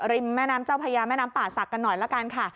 ริมแม่น้ำเจ้าพระยาแม่น้ำป่าสักกันหน่อยแล้วกันค่ะ